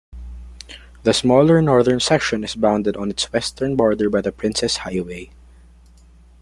The smaller northern section is bounded on its western border by the Princes Highway.